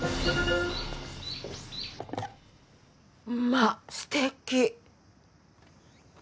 まあすてき！